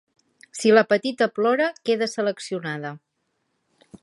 Si la petita plora, queda seleccionada.